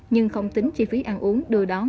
nhưng không tính chi phí ăn uống đưa đón